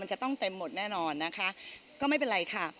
จะต้องเต็มหมดแน่นอนนะคะก็ไม่เป็นไรค่ะ